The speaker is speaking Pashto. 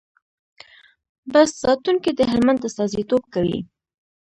بست ساتونکي د هلمند استازیتوب کوي.